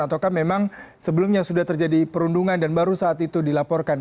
ataukah memang sebelumnya sudah terjadi perundungan dan baru saat itu dilaporkan